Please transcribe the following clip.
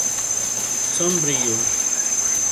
Sombrio